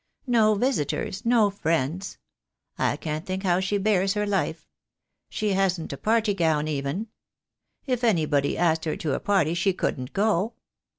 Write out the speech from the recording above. No visitors, no friends. I can't think how she bears her life. She hasn't a party gown, even. If anybody asked her to a party she couldn't go.